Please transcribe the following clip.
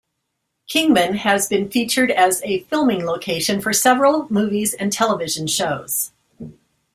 Kingman has been featured as a filming location for several movies and television shows.